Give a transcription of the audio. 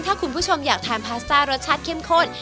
ถ้าคุณผู้ชมอยากทานพาสต้ารสชาติเข้มข้น